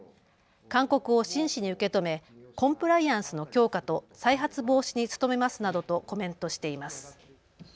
勧告を真摯に受け止めコンプライアンスの強化と再発防止に努めますなどとコメントしています。